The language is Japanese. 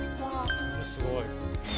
すごい。